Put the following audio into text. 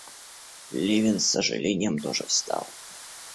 Левин с сожалением тоже встал.